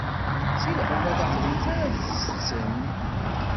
Si lɣella taqdimt ara tettettem.